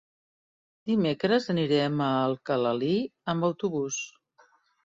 Dimecres anirem a Alcalalí amb autobús.